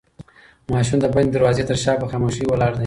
ماشوم د بندې دروازې تر شا په خاموشۍ ولاړ دی.